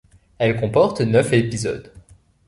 Elle comporte neuf épisodes.